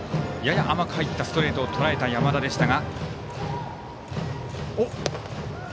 やや甘く入ったストレートをとらえた山田でした。